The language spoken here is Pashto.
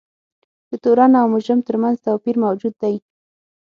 د تورن او مجرم ترمنځ توپیر موجود دی.